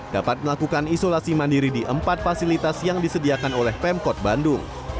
dapat melakukan isolasi mandiri di empat fasilitas yang disediakan oleh pemkot bandung